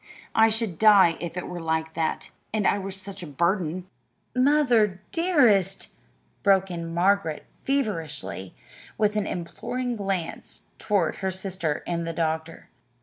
I should die if it were like that, and I were such a burden." "Mother, dearest!" broke in Margaret feverishly, with an imploring glance toward her sister and the doctor.